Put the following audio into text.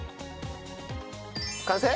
完成？